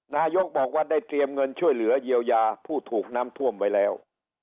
นายกบอกว่าได้เตรียมเงินช่วยเหลือเยียวยาผู้ถูกน้ำท่วมไว้แล้ว